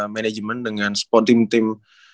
management dengan team team